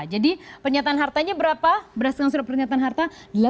jadi pernyataan hartanya berapa berdasarkan surat pernyataan harta